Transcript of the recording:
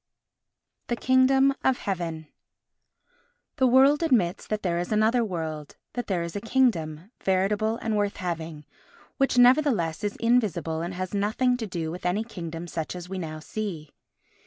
The Kingdom of Heaven The world admits that there is another world, that there is a kingdom, veritable and worth having, which, nevertheless, is invisible and has nothing to do with any kingdom such as we now see.